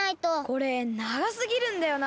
これながすぎるんだよな。